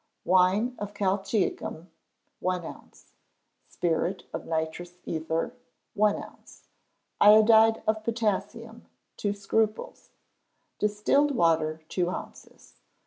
Wine of colchicum, one ounce; spirit of nitrous ether, one ounce; iodide of potassium, two scruples; distilled water, two ounces.